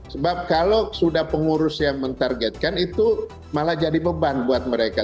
sebab kalau sudah pengurus yang mentargetkan itu malah jadi beban buat mereka